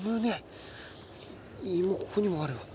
芋ここにもあるわ。